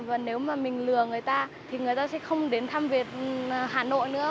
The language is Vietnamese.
và nếu mà mình lừa người ta thì người ta sẽ không đến thăm việt hà nội nữa